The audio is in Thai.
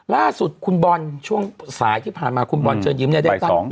ล่าสุดคุณบอลช่วงสายที่ผ่านมาคุณบอลเชิญยิ้มเนี่ยได้